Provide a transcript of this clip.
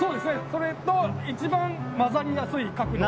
それと一番混ざりやすい角度。